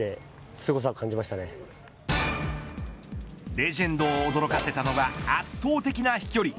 レジェンドを驚かせたのは圧倒的な飛距離。